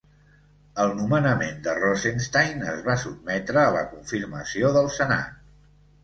El nomenament de Rosenstein es va sotmetre a la confirmació del Senat.